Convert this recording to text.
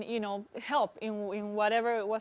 saya ingin membantu dengan apa yang bisa